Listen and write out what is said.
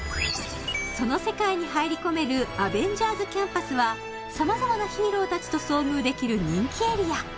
その世界に入り込めるアベンジャーズ・キャンパスはさまざまなヒーローたちと遭遇できる人気エリア